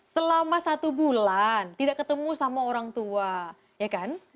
selama satu bulan tidak ketemu sama orang tua ya kan